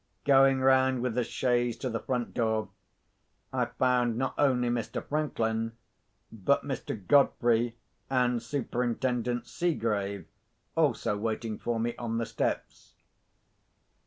Going round with the chaise to the front door, I found not only Mr. Franklin, but Mr. Godfrey and Superintendent Seegrave also waiting for me on the steps.